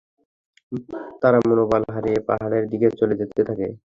তারা মনোবল হারিয়ে পাহাড়ের দিকে চলে যেতে থাকে।